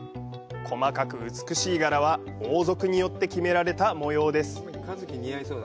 細かく美しい柄は王族によって決められた模様です。